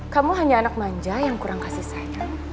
kamu hanya anak manja yang kurang kasih sayang